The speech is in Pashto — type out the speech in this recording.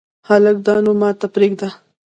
هلکه دا نو ماته پرېږده !